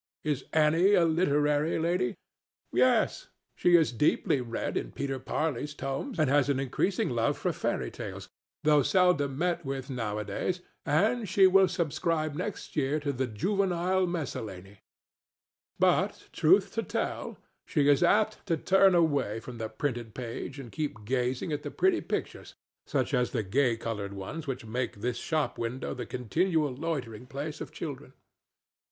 Is Annie a literary lady? Yes; she is deeply read in Peter Parley's tomes and has an increasing love for fairy tales, though seldom met with nowadays, and she will subscribe next year to the Juvenile Miscellany. But, truth to tell, she is apt to turn away from the printed page and keep gazing at the pretty pictures, such as the gay colored ones which make this shop window the continual loitering place of children.